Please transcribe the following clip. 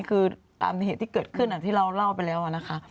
คือตามเหตุที่เกิดขึ้นที่เราเล่าไปแล้วนะคะ